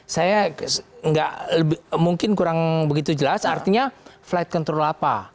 saya mungkin kurang begitu jelas artinya flight control apa